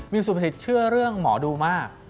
มิงสุพศิษย์เชื่อเรื่องหมอดูมาก